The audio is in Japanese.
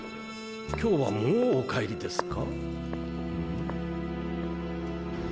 今日はもうお帰りですか？